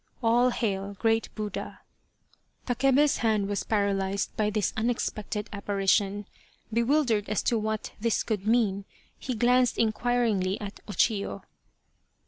(All hail, Great Buddha !) Takebe's hand was paralyzed by this unexpected apparition. Bewildered as to what this could mean, he glanced inquiringly at O Chiyo.